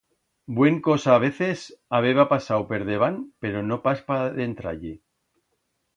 Buen cosa veces habeba pasau per debant, pero no pas pa dentrar-ie.